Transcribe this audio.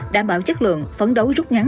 đảm bảo chất lượng phấn đấu rút ngắn